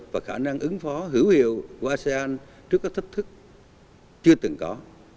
và khả năng ứng phó hữu hiệu của asean trước các thách thức chưa từng có